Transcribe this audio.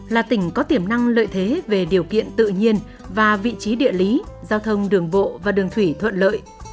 là tỉnh có tiềm năng lợi thế về điều kiện tự nhiên và vị trí địa lý giao thông đường bộ và đường thủy thuận lợi